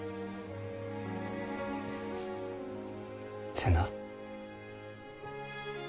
瀬名。